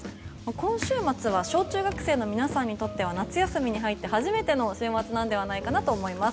今週末は小中学生の皆さんにとっては夏休みに入って、初めての週末なのではないかなと思います。